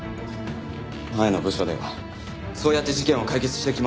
前の部署ではそうやって事件を解決してきました。